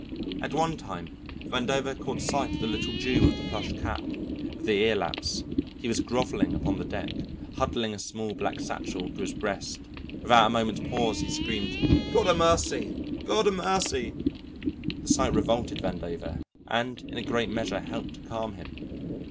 At one time Vandover caught sight of the little Jew of the plush cap with the ear laps; he was grovelling upon the deck, huddling a small black satchel to his breast; without a moment's pause he screamed, "God 'a' mercy! God 'a' mercy!" The sight revolted Vandover and in a great measure helped to calm him.